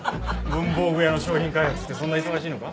文房具屋の商品開発ってそんな忙しいのか？